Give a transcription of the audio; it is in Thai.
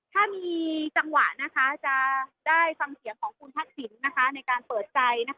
ถ้ามีจังหวะนะคะจะได้ฟังเสียงของคุณทักษิณในการเปิดใจนะคะ